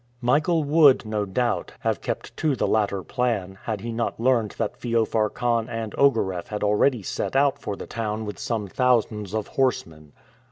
Michael would, no doubt, have kept to the latter plan had he not learnt that Feofar Khan and Ogareff had already set out for the town with some thousands of horsemen.